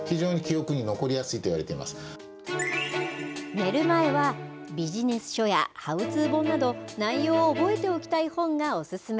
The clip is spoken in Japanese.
寝る前はビジネス書やハウツー本など、内容を覚えておきたい本がお勧め。